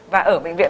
và ở bệnh viện